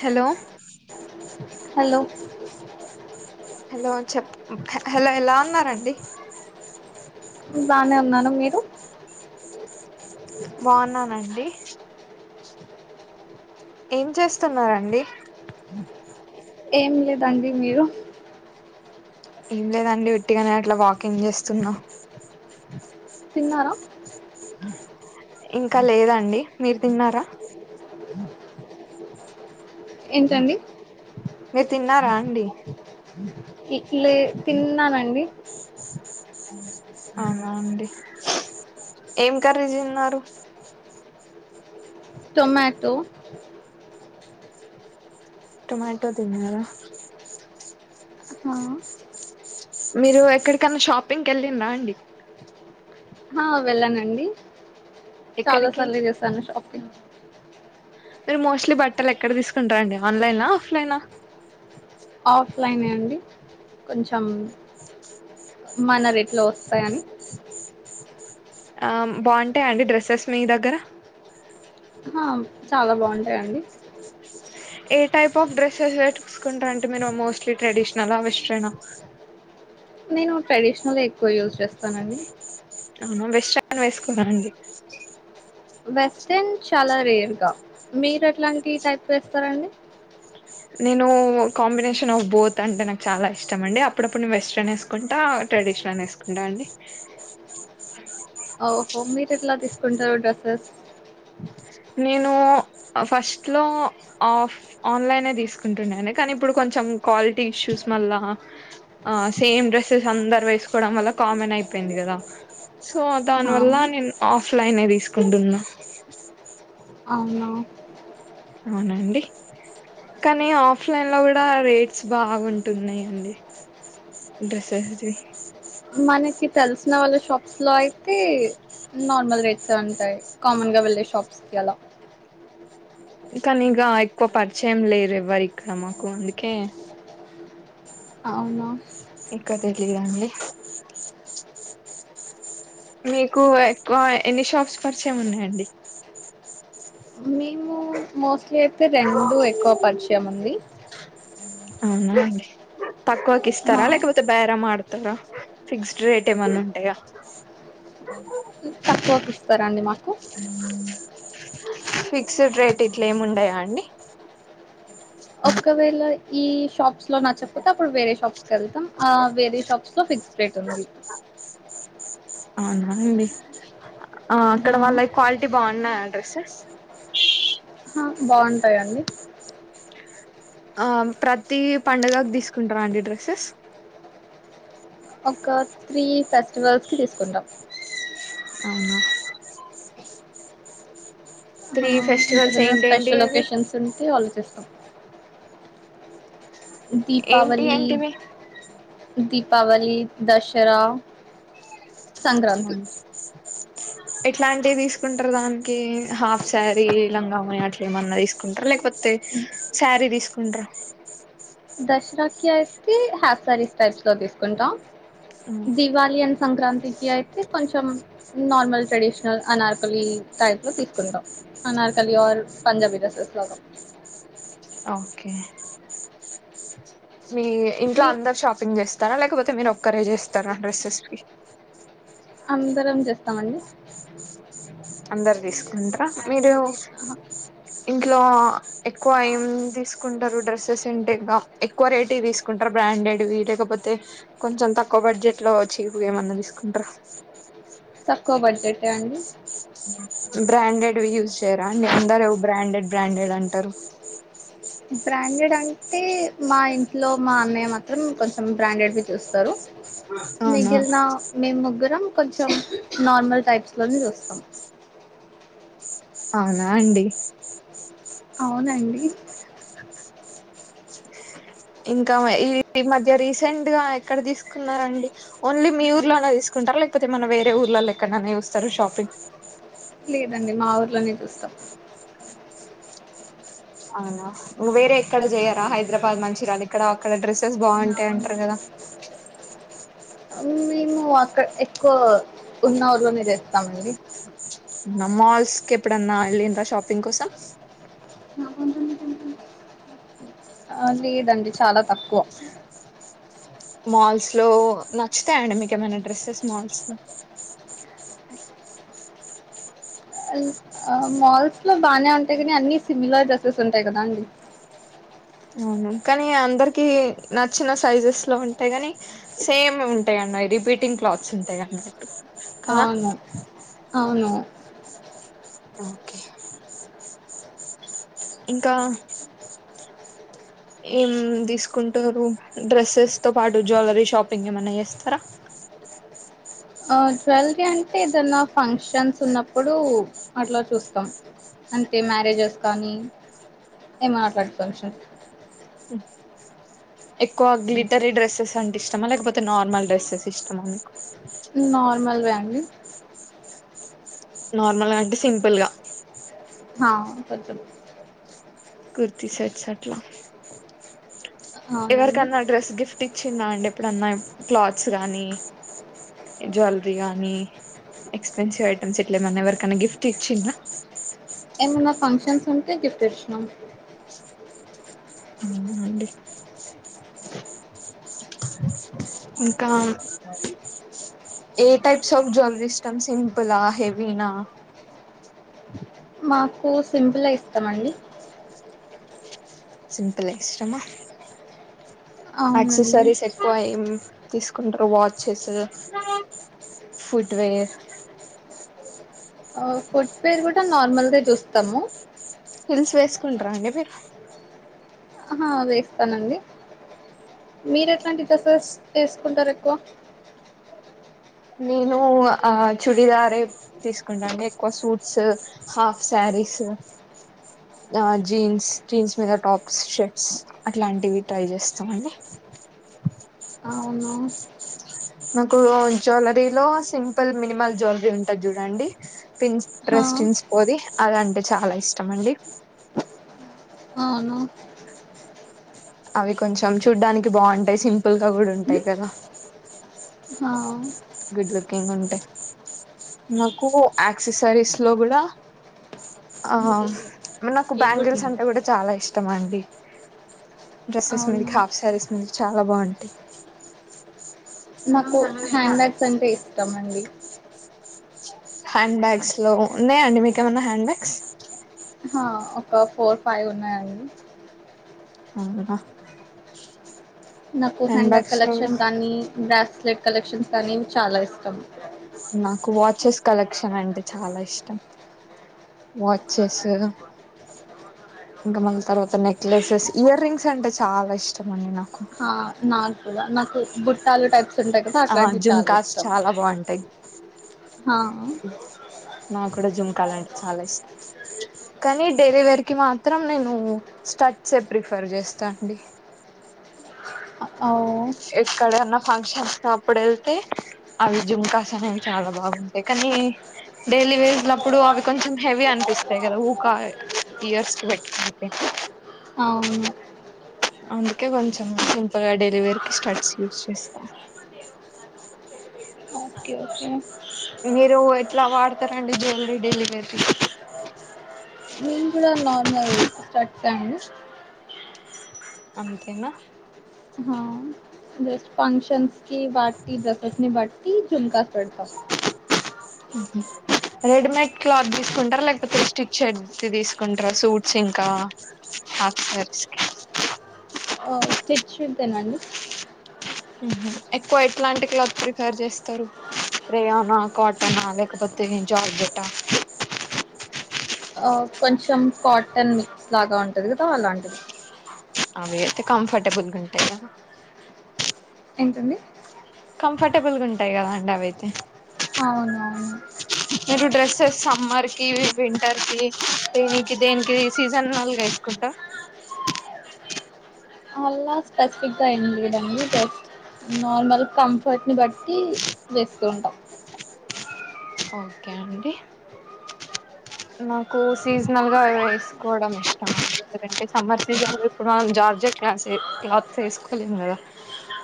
Hello hello hello చెప్ హ hello ఎలా ఉన్నారండి బానే ఉన్నాను మీరు బాగున్నానండి ఏం చేస్తున్నారండి ఏం లేదండి మీరు ఏం లేదండి ఒట్టిగనే అట్లా వాకింగ్ చేస్తున్నా తిన్నారా ఇంకా లేదండి మీరు తిన్నారా ఏంటండి మీరు తిన్నారా అండి ఇ లే తిన్నానండి అవునా అండి ఏం కర్రీ తిన్నారు టొమాటో టొమాటో తిన్నార హా మీరు ఎక్కడికన్నా షాపింగ్ కెళ్ళిండ అండి ఆ వెళ్ళానండి చాలా ఎక్కడికి సార్లు చేస్తాను షాపింగ్ మీరు మోస్ట్లీ బట్టలు ఎక్కడ తీసుకుంటారండి ఆన్లైనా, ఆఫ్లైనా ఆఫ్లైనే అండి కొంచెం మన రేట్లో వస్తాయని ఆ బాగుంటాయ అండి డ్రస్సెస్ మీ దగ్గర హా చాలా బాగుంటాయండి ఏ టైప్ ఆఫ్ డ్రెస్సెస్ వేసుకుంటారంటె మీరు మోస్ట్లీ ట్రెడిషనలా వెస్ట్రనా నేను ట్రెడిషనలే ఎక్కువ యూజ్ చేస్తానండి అవునా వెస్ట్రన్ వేసుకోర అండి వెస్ట్రన్ చాలా రేర్గా మీరు ఎట్లాంటి టైప్ వేస్తారండి. నేను కాంబినేషన్ ఆఫ్ బోత్ అంటే నాకు చాలా ఇష్టం అండి. అప్పుడప్పు నే వెస్ట్రన్ ఏస్కుంటా ట్రెడిషనల్ ఏస్కుంటా అండి. ఓ హో మీరెట్లా తీసుకుంటారు డ్రస్సెస్. నేనూ ఫస్ట్ లో ఆఫ్ ఆన్లైనే దీస్కుంటున్నాను కానీ ఇప్పుడు కొంచెం క్వాలిటీ ఇష్యూస్ మళ్ళ ఆహ్ సేమ్ డ్రెస్సెస్ అందరు వేస్కోడం వల్ల కామన్ అయిపోయింది గదా సో హా దానివల్ల నేన్ ఆఫ్లైనే దీస్కుంటున్నా. అవునా అవునండి కానీ ఆఫ్లైన్ లో కూడా రేట్స్ బాగుంటున్నాయండి. డ్రెస్సెస్ ది తెల్సిన వాళ్ళ షాప్స్‌లో అయితే నార్మల్ రేట్సే ఉంటాయ్ కామన్గా వెళ్ళే షాప్స్‌కి అలా. కానీ ఇగ ఎక్కువ పరిచయం లేరు ఎవ్వరిక్కడ మాకు అందుకే. అవునా కతెట్లియాండి మీకు ఎక్కువ ఎన్ని షాప్స్ పరిచయం ఉన్నాయండి. మేము మోస్ట్లీ అయితే రెండు ఎక్కువ పరిచయం ఉంది అవునా అండి తక్కువకి ఆ, ఇస్తారా లేకపోతే బేరమాడ్. తరా ఫిక్స్డ్ రేట్ ఏమన్నా ఉంటాయా తక్కువకి ఇస్తారండి మాకు ఫిక్స్డ్ రేట్ ఇట్లా ఏమ్ ఉండయా అండి ఒక్కవేళ ఈ షాప్స్ లో నచ్చకపోతే అప్పుడు వేరే షాప్స్ కి వెళ్తాం ఆ వేరే షాప్స్ లో ఫిక్స్ రేట్ ఉంది. అవునా అండి ఆ అక్కడ వాళ్ళయ్ క్వాలిటీ బాగున్నాయా డ్రెస్సెస్. ఆ బాంది సరే అండి ఆహ్ ప్రతి పండగక్ దీస్కుంట్ర్ అండి డ్రెస్సెస్స్ ఒక త్రీ ఫెస్టివల్స్ కి తీసుకుంటాం అవునా త్రీ ఆహ్ ఫెస్టివల్స్ ఇంకేదన్నా స్పెషల్ ఏంటేంటివి ఒకేషన్స్ ఉంటే ఆలోచిస్. అప్ ఏంటి దీపావళీ ఏంటివి దీపావళి దశరా మన్ ఎట్లాంటివి దీస్కుంట్ర్ దానికి హాఫ్ శారీ లంగాఓని అట్ల ఏమన్నా దీస్కుంట్ర్ లేకపోతే శారీ దీస్కుంట్ర్. దశరాకి అయితే హాఫ్ సారీస్ టైప్స్ లో తీసుకుంటాం దివాళి యన్ సంక్రాంతికి అయితే కొంచెం నార్మల్ ట్రెడిషనల్ అనార్కలి టైప్ లో తీసుకుంటాం అనార్కలి ఆర్ పంజాబీ డ్రెస్సెస్ లాగా. ఓకే మీ ఇంట్లో మీ అందర్ షాపింగ్ జేస్ చేస్తారా లేకపోతే మీరు ఒక్కరే చేస్తరా డ్రస్సెస్ కి అందరం చేస్తామండి అందరు తీస్కుంటర మీరు అహ ఇంట్లో ఎక్కువ ఏం తీసుకుంటారు డ్రెస్సెస్ అంటే ఇకా ఎక్కువ రేట్ తీసుకుంటారు బ్రాండెడ్ వి లేకపోతే కొంచెం తక్కువ బడ్జెట్ లో చీపు ఏమన్నా తీసుకుంటారా తక్కువ బడ్ జె పెట్టా అండి బ్రాండెడ్ వి యూస్ చేయర అండి అందరు ఏవో బ్రాండెడ్ బ్రాండెడ్ అంటారు బ్రాండెడ్ అంటే మా ఇంట్లో మా అన్నయ్య మాత్రం కొంచెం బ్రాండెడ్ వి చూస్తారు అవునా మెగిల్నా మేమ్ ముగ్గురం కొంచెం నార్మల్ టైప్స్లో నె చూస్తాం అవునా అండి అవునండి ఇంక ఈ మధ్య రీసెంట్ గా ఎక్కడ తీసుకున్నారండి ఓన్లీ మీ ఊర్లోనే తీసుకుంటార లేకపోతే మన వేరే ఊర్లలో ఎక్కడైనా చూస్తారా షాపింగ్ లేదండి మా ఊర్ లోనె చూస్తాం అవునా నువ్ వేరే ఎక్కడ చేయారా హైద్రాబాద్ మ చిరాల్ ఇక్కడ అక్కడ డ్రెస్సెస్ బాగుంటాయి అంటరు కదా మేము అక్కడ్ ఎక్కువ ఉన్న ఊర్లోనే చేస్తామండి మాల్స్ కెప్పుడన్నా వెళ్ళిండ షాపింగ్ కోసం లేదండి చాల తక్కువ మాల్స్ లో నచ్చుతాయండి మీకు ఏమైన డ్రెస్సెస్ మాల్స్ లో ఆ, మాల్స్ లో బాగనే ఉంటాయి కానీ అన్ని సిమిలర్ డ్రెస్సెస్ ఉంటాయి కదా అండి అవును కనీ అందరికి నచ్చిన సైజెస్ లో ఉంటాయి కాని సే మె ఉంటాయి అండి అవి రిపీటింగ్ క్లాత్స్ ఉంటాయి కండి అవును అవును ఓకె ఇంకా ఏం తీసుకుంటారు డ్రెస్సెస్ తో పాటు జ్యులరీ షాపింగ్ ఏమన్నా చేస్తరా అ ట్వెల్కి అంటే ఏదన్నా ఫంక్షన్స్ ఉన్నప్పుడు అట్ల చూస్తాం అంటే మ్యారేజెస్ కానీ ఏమట్లాడ ఫంక్షన్స్ ఎక్కువ గ్లిటరీ డ్రస్సెస్ అంటే ఇష్టమా లేకపోతే నార్మల్ డ్రెస్సెస్ ఇష్టమా మీకు అని నార్మల్గా అంటే సింపుల్గ హా కొంచం కుర్తిీ సెర్ట్స్ అట్ల అవునండి ఎవరికన్న డ్రెస్ గిఫ్ట్ ఇ ఇచ్చిందా అండి ఎప్పుడన్నా క్లాత్స్ గానీ జ్యువెలరీ గానీ ఎక్స్పెన్సివ్ ఐటెమ్స్ ఇట్ల ఏమన్నా ఎవరికన్నా గిఫ్ట్ ఇచ్చిందా ఏమన్న ఫంక్షన్స్ ఉంట గిఫ్ట్ ఇచ్చినాం అండి ఇంకా ఏ టైప్స్ ఆఫ్ జ్యూలరీ ఇష్టం సింపులా హెవీన మాకు సింపుల్ ఇష్టం అండి సింపులె ఇష్టమా అవునండి యాక్సెసరీస్ ఎక్కువ ఏం తీసుకుంటరు వాచ్చెస్ ఫుట్ వేర్ ఆ, ఫుడ్ పేరు కూడా నార్మల్ హిల్స్ వేసుకుంటార్ ఆహా వేస్తానండి మీరు ఎట్లాంటి డ్రెస్సెస్ వేసుకుంటారు ఎక్కువ? నేను ఆ చుడిద్ధారే తీసుకుంటాండి ఎక్కువ సూట్స్ హాఫ్ శారీస్ ఆ జీన్స్ జీన్స్ మీద టాప్స్ షర్ట్స్ అట్లాంటివి ట్రై చేస్తామండి. అవును నాకు జ్యులరీలో సింపుల్ మినిమల్ జ్యులరీ ఉంటది చూడండి హా, పింటరెస్ట్ ఇన్స్పో ది అది అంటే చాలా ఇష్టం అండి. అవును అవి కొంచం చూడ్డానికి బాగుంటాయి సింపుల్ గా కూడా ఉంటాయి కదా హా, గుడ్ లుకింగ్ ఉంటే నాకు ఆక్సిస్సరీస్ లో కూడా ఆ అందుకే మరి నాకు ఏం బ్యాంగిల్స్ కొట్టింది అంటే కూడా చాలా ఇష్ట ఇష్టమా అండి డ్రెస్సెస్ మీద అవును కి హాఫ్ శారీస్ మీద కి చాలా బాగుంటాయ్ నాకు హ్యాండ్ బ్యాగ్స్ అంటే ఇష్టం అండి. హ్యాండ్ బ్యాగ్స్ లో ఉన్నాయా అండి మీక్ ఏమైనా హ్యాండ్ బ్యాగ్స్? ఒక ఫోర్ ఫైవ్ ఉన్నాయండి. అవునా? నాకు హ్యాండ్ బ్యాగ్ బ్యాగ్స్ లో కూడా కలెక్షన్ గానీ బ్రాస్లెట్ కలెక్షన్స్ కానీ చాలా ఇ ష్టం నాకు వాచెస్ కలెక్షన్ అంటే చాలా ఇష్టం వాచెస్ ఇంకా మళ్ళీ తర్వాత నెక్లెస్సెస్ ఇయర్ రింగ్స్ అంటే చాలా ఇష్టం అండి నాకు. ఆ నాాలు నాకు బుట్టాలు టైప్స్ ఉంటాయి కదా ఆ అట్లాంటివి చాలా జుమ్మ్కాస్ ఇష్టం చాలా బాగుంటాయి ఆ నా కూడా జుమ్ జుమ్మ్కాస్ అంటే చాలా ఇష్టం కానీ డైలీ వేర్ కి మాత్రం నేను స్టడీస్ ఏ ప్రిఫర్ చేస్తా అండి. ఆ అవు ఎక్కడన్నా ఫంక్షన్స్ అప్పుడు వెళ్తే అవి జుమ్మ్కాస్ అనేవి చాలా బాగుంటాయి కానీ డైలీ వేర్ కి అప్పుడు అవి కొంచెం హెవీ అనిపిస్తాయి కదా ఊకా ఇయర్స్ కి పెట్టుకుంటే అవును అందుకే కొంచెం సింపుల్ గా డైలీ వేర్ కి స్టడ్స్ యూస్ చేస్తా ఓకే ఓకే మీరు ఎట్లా వాడతారండి జ్యులరీ డైలీ వేర్ కి? నేను కూడా నార్మల్ స్టడ్స్ అండి అంతేనా జస్ట్ ఫంక్షన్స్ కి వాటి డ్రెస్సెస్ ని బట్టి జుమ్కా పెడ్తా హ్మ్మ్ రెడీమేడ్ క్లాత్ తీసుకుంటారా లేకపోతే స్త్రీచెడ్ తీసుకుంటారా సూట్స్ ఇంకా హాఫ్ సారీస్ కి స్త్రీచెడ్ దేనండి ఎక్కువ ఎట్లాంటి క్లాత్ ప్రిఫర్ చేస్తారు రాయొనా కాటనా లేకపోతే జార్జట్ట ఆ? ఆ కొంచెం కాటన్ మిక్స్ లాగా ఉంటుం దు కదా అలాంటిది అవి అయితే కంఫరటబుల్ గా ఉంటాయా ఏంటండీ కంఫర్టబుల్ గా ఉంటాయి గా కదండీ అవి అయితే అవునఅవును మీరు డ్రెస్సెస్ సమ్మర్ కి వింటర్ కి దేనికి దేనికి సీజన్ నల్గ ఎసుకుంటా అలా స్పెసిఫిక్గా ఏం లేదండి జస్ట్ నార్మల్ కంఫర్ట్ని బట్టి వేస్తూంటాం ఓకే అండి నాకు సీజనల్ గా వేసుకోవడం ఇష్టం ఎందుకంటే సమ్మర్ సీజన్ లో ఇప్పుడు మనం జార్జి క్ క్లాత్స్ వేసుకోలేం కదా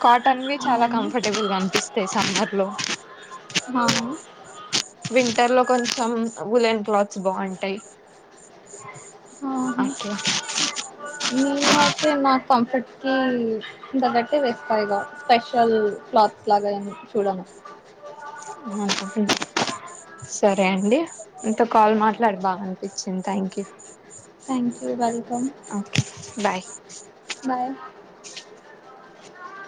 కాటన్వి చాలా అవును. కంఫర్టబుల్గా అనిపిస్తాయి సమ్మర్ లో ఆవును వింటర్ లో కొంచెం ఉలెన్ క్లాత్స్ బాగుంటాయి ఆహా! అట్లా నేను అయితే నా కంఫర్ట్కి తగ్గటై వేస్తాయి ఇగా స్పెషల్ క్లాత్స్ లాగా ఏ చూడను సరే అండి ఇంత కాల్ మాట్లాడి బాగా అనిపించింది thank you thank you welcome బ బాయ్